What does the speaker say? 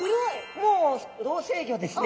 もう老成魚ですね。